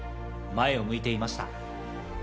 前を向いていました。